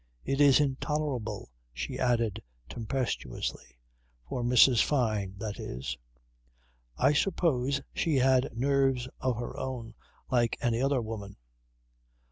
"It is intolerable," she added tempestuously for Mrs. Fyne that is. I suppose she had nerves of her own like any other woman.